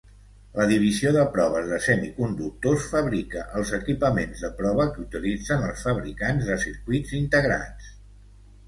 La Divisió de proves de semiconductors fabrica els equipaments de prova que utilitzen els fabricants de circuits integrats.